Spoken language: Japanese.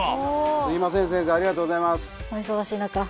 すいません先生ありがとうございます。